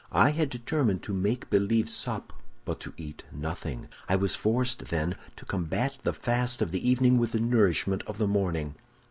I had determined to make believe sup, but to eat nothing. I was forced, then, to combat the fast of the evening with the nourishment of the morning.